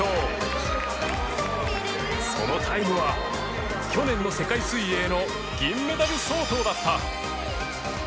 そのタイムは去年の世界水泳の銀メダル相当だった